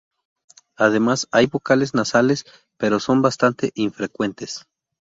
Además, hay vocales nasales, pero son bastante infrecuentes.